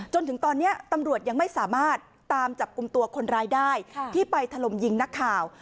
จนถึงตอนนี้ตำรวจยังไม่สามารถตามจับกลุ่มตัวคนร้ายได้ที่ไปถล่มยิงนักข่าว